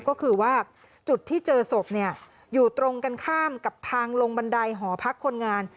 ก็คือว่าจุดที่เจอศพอยู่ตรงกันข้ามกับทางลงบันไดหอพักคนงาน